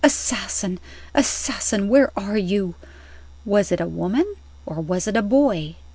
"Assassin! Assassin! where are you?" Was it a woman? or was it a boy?